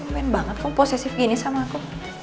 men banget kamu posesif gini sama aku